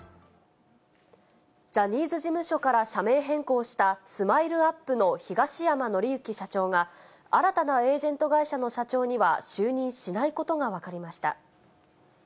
ジャニーズ事務所から社名変更したスマイルアップの東山紀之社長が、新たなエージェント会社の社長には就任しないことが分かりました。